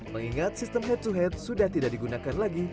mengingat sistem head to head sudah tidak digunakan lagi